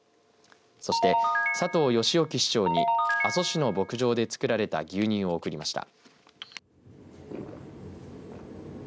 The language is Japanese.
そして佐藤義興市長に阿蘇市の牧場で作られた牛乳を贈りました。